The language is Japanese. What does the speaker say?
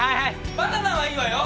バナナはいいわよ。